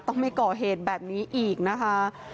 ต้องไม่ก่อเหตุแบบนี้อีกนะคะ